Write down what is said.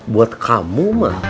buat kamu mah